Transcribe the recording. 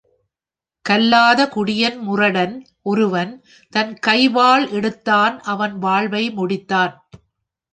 கல்லாத குடியன் முரடன் ஒருவன் தன் கைவாள் எடுத்தான் அவன் வாழ்வை முடித்தான்.